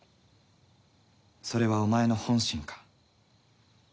それはお前の本心か？